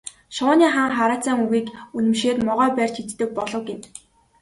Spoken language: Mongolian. Шувууны хаан хараацайн үгийг үнэмшээд могой барьж иддэг болов гэнэ.